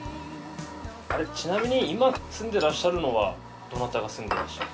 ちなみに今住んでらっしゃるのはどなたが住んでらっしゃる？